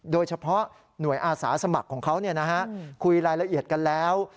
โดยเฉพาะหน่วยอาสาสมัครของเขาคุยรายละเอียดกันแล้ว